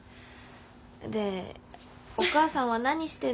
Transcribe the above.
でお母さんは何してんの？